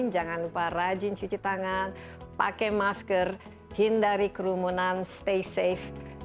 jangan lupa rajin cuci tangan pakai masker hindari kerumunan stay safe